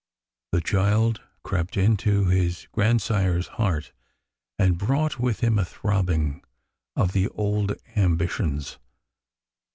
The child crept into his grandsire's heart and brought with him a throbbing of the old ambitions.